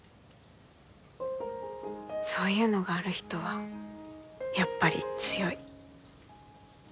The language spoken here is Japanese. そういうのがある人はやっぱり強い。